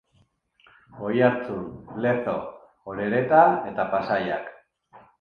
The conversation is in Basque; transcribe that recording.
Oiartzun, Lezo, Orereta eta Pasaiak.